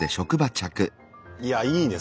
いやいいね